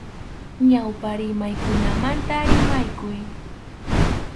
Ñawpa rimaykunamanta rimanakuy.